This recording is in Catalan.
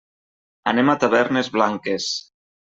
Anem a Tavernes Blanques.